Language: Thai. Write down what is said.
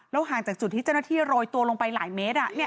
ห่างจากจุดที่เจ้าหน้าที่โรยตัวลงไปหลายเมตร